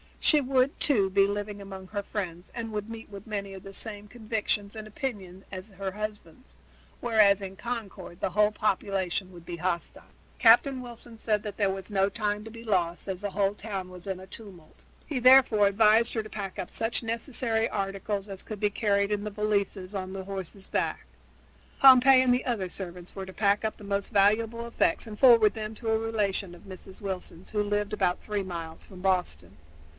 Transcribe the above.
She would, too, be living among her friends and would meet with many of the same convictions and opinions as her husband's, whereas in Concord the whole population would be hostile. Captain Wilson said that there was no time to be lost, as the whole town was in a tumult. He therefore advised her to pack up such necessary articles as could be carried in the valises, on the horses' backs. Pompey and the other servants were to pack up the most valuable effects and to forward them to a relation of Mrs. Wilson's who lived about three miles from Boston.